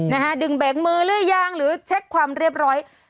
นะฮะดึงเบรกมือหรือยังหรือเช็คความเรียบร้อย